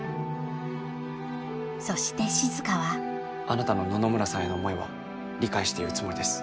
そして静はあなたの野々村さんへの思いは理解しているつもりです。